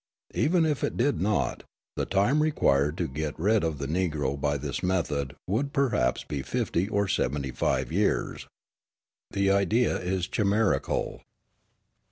Even if it did not, the time required to get rid of the Negro by this method would perhaps be fifty or seventy five years. The idea is chimerical.